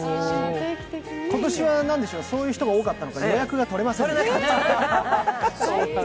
今年は何でしょう、そういう人が多かったのか予約が取れませんでした。